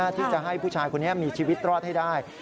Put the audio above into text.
ที่จะให้ผู้ชายคนนี้มีชีวิตรอดให้ได้